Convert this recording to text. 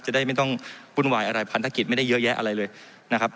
จะได้ไม่ต้องวุ่นวายอะไรพันธกิจไม่ได้เยอะแยะอะไรเลยนะครับ